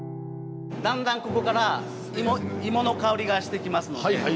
だんだんここから芋の香りがしてきますので。